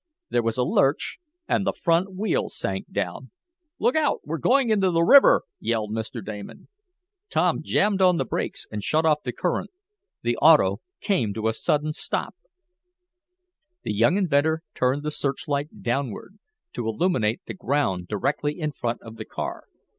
There was a lurch, and the front wheels sank down. "Look out! We're going into the river!" yelled Mr. Damon. Tom jammed on the brakes and shut off the current. The auto came to a sudden stop. The young inventor turned the searchlight downward, to illuminate the ground directly in front of the car.